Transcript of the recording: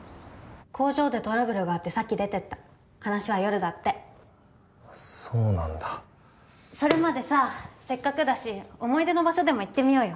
工場でトラブルがあってさっき出てった話は夜だってそうなんだそれまでさせっかくだし思い出の場所でも行ってみようよ